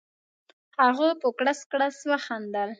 هغه په کړس کړس خندل.